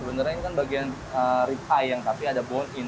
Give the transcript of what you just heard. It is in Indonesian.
sebenarnya ini kan bagian rib pie yang kasih ada bone in